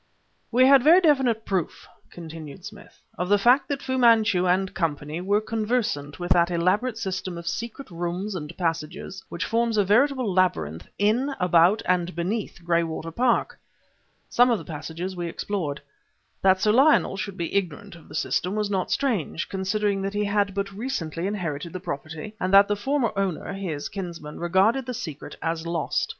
"We had very definite proof," continued Smith, "of the fact that Fu Manchu and company were conversant with that elaborate system of secret rooms and passages which forms a veritable labyrinth, in, about, and beneath Graywater Park. Some of the passages we explored. That Sir Lionel should be ignorant of the system was not strange, considering that he had but recently inherited the property, and that the former owner, his kinsman, regarded the secret as lost.